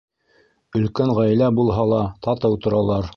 Өлкән ғаилә булһа ла, татыу торалар.